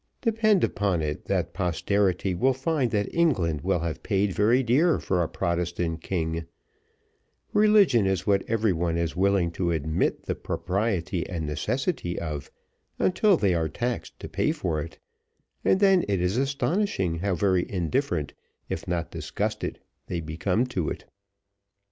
Depend upon it, that posterity will find that England will have paid very dear for a Protestant king; religion is what everyone is willing to admit the propriety and necessity of, until they are taxed to pay for it, and then it is astonishing how very indifferent, if not disgusted, they become to it."